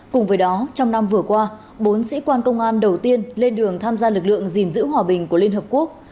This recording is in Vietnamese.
cùng với đó trong năm vừa qua bốn sĩ quan công an đầu tiên lên đường tham gia lực lượng gìn giữ hòa bình của liên hợp quốc